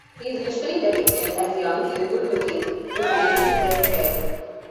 He is usually depicted as young and good-looking, with wavy red hair.